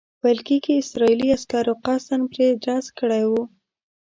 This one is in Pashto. ویل کېږي اسرائیلي عسکرو قصداً پرې ډز کړی وو.